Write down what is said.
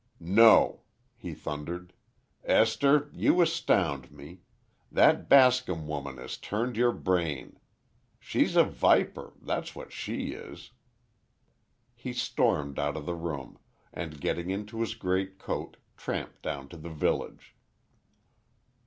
"No!" he thundered. "Esther, you astound me. That Bascom woman has turned your brain. She's a viper, that's what she is!" He stormed out of the room, and getting into his great coat, tramped down to the village.